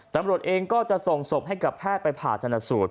ตำรวจเองก็จะส่งศพให้กับแพทย์ไปผ่าชนสูตร